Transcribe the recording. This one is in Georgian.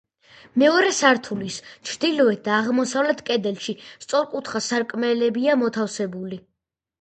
მეორე სართულის ჩრდილოეთ და აღმოსავლეთ კედელში სწორკუთხა სარკმლებია მოთავსებული.